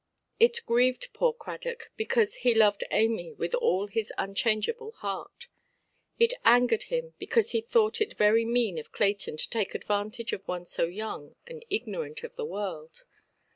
It grieved poor Cradock, because he loved Amy with all his unchangeable heart; it angered him, because he thought it very mean of Clayton to take advantage of one so young and ignorant of the world.